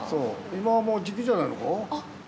今はもう時季じゃないのか？